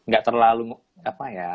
gak terlalu apa ya